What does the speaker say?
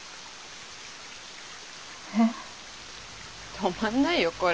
止まんないよこれ。